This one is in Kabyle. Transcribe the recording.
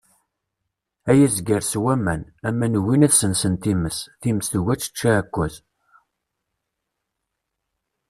Ay azger sew aman, aman ugin ad sensen times, times tugi ad tečč aɛekkaz.